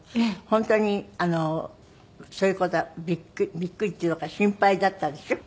本当にそういう事びっくりっていうのか心配だったでしょ？